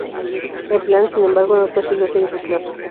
El plan, sin embargo, no consiguió seguir el plazo.